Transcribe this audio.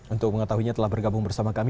untuk mengetahuinya telah bergabung bersama kami